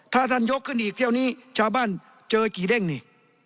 ถ้าท่านยกขึ้นอีกเที่ยวนี้ชาวบ้านเจอกี่เด้งนี่